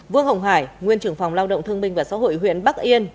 vương hồng hải nguyên trưởng phòng lao động thương minh và xã hội huyện bắc yên